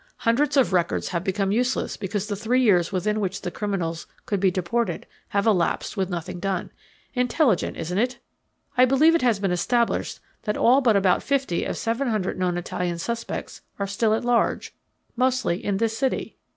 Hundreds of records have become useless because the three years within which the criminals could be deported have elapsed with nothing done. Intelligent, isn't it? I believe it has been established that all but about fifty of seven hundred known Italian suspects are still at large, mostly in this city.